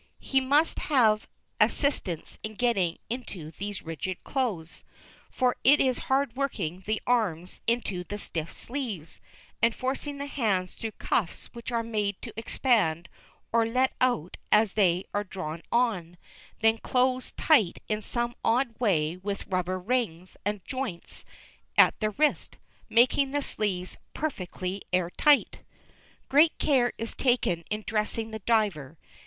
He must have assistance in getting into these rigid clothes, for it is hard working the arms into the stiff sleeves, and forcing the hands through cuffs which are made to expand or let out as they are drawn on, then close tight in some odd way with rubber rings and joints at the wrist, making the sleeves perfectly air tight. Great care is taken in dressing the diver.